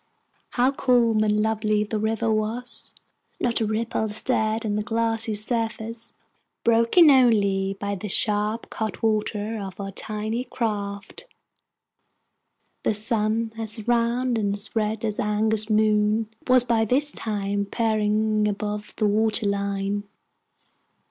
How calm and lovely the river was! Not a ripple stirred on the glassy surface, broken only by the sharp cutwater of our tiny craft. The sun, as round and red as an August moon, was by this time peering above the water line.